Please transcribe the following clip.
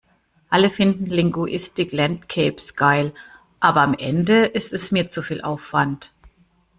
Alle finden Linguistic Landscapes geil, aber am Ende ist es mir zu viel Aufwand.